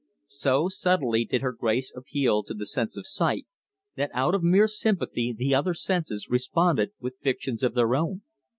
So subtly did her grace appeal to the sense of sight, that out of mere sympathy the other senses responded with fictions of their own.